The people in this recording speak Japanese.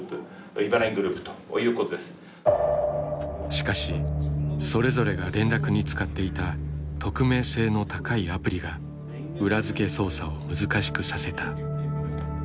しかしそれぞれが連絡に使っていた匿名性の高いアプリが裏付け捜査を難しくさせた。